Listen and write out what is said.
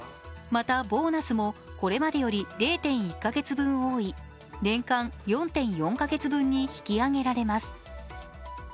また、ボーナスもこれまでより０．１カ月分多い、年間４．４カ月分に引き上げられます。